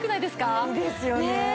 ですよね！